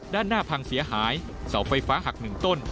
ด้านหน้าพังเสียหายเสาไฟฟ้าหักหนึ่งต้น